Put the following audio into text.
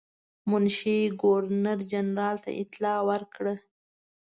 منشي ګورنر جنرال ته اطلاع ورکړه.